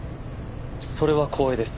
それは光栄です。